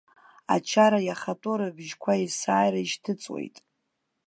Ачара иахатәоу рыбжьқәа есааира ишьҭыҵуеит.